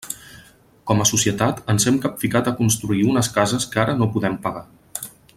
Com a societat ens hem capficat a construir unes cases que ara no podem pagar.